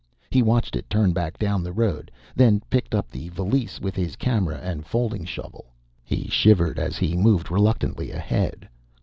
He watched it turn back down the road, then picked up the valise with his camera and folding shovel. He shivered as he moved reluctantly ahead.